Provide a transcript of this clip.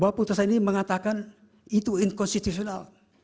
bapak putusannya mengatakan itu inkonstitusional